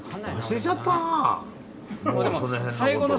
忘れちゃったな。